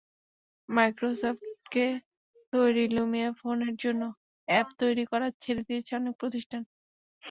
মাইক্রোসফটের তৈরি লুমিয়া ফোনের জন্য অ্যাপ তৈরি করা ছেড়ে দিয়েছে অনেক প্রতিষ্ঠান।